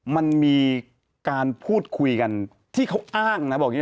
มันมีการพูดคุยกันที่เขาอ้างนะ